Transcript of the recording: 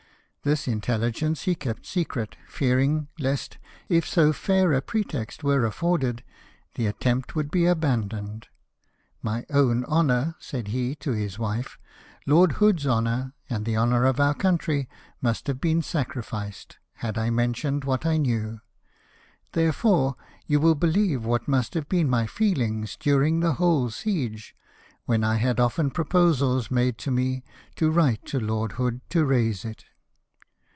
This intelligence he kept secret, fearing lest, if so fair a pretext were afforded, the attempt would be abandoned. " My own honour," said he to his wife, " Lord Hood's honour, and the honour of our country, must have been sacrificed, had I mentioned what I knew; therefore you will beUeve what must have been my feelings during the whole siege, when I had often proposals made to me to write to Lord Hood to raise it."